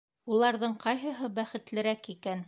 Уларҙың ҡайһыһы бәхетлерәк икән?